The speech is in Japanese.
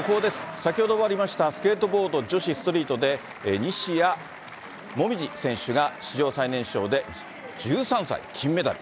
先ほど終わりましたスケートボード女子ストリートで、西矢椛選手が史上最年少で１３歳、金メダル。